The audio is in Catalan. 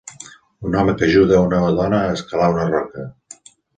Un home que ajuda a una dona a escalar una roca